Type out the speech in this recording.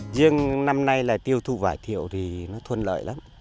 riêng năm nay tiêu thụ vải thiệu thì thuận lợi lắm